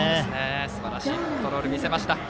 すばらしいコントロールを見せました。